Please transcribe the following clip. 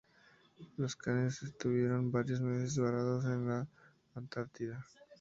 Los canes estuvieron varios meses varados en la Antártida.